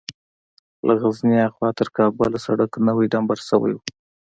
له غزني ها خوا تر کابله سړک نوى ډمبر سوى و.